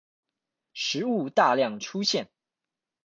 食物大量出現